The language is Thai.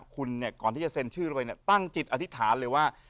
คุณเนี่ยก่อนที่จะเซ็นชื่อลงไปตั้งจิตอธิษฐานเลยว่า